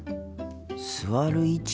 座る位置？